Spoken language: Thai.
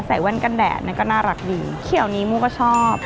ใส่วันกันแดดก็น่ารักดีเขียวนี้มุชก็ชอบ